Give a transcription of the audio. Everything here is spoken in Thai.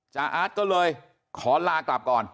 อาร์ตก็เลยขอลากลับก่อน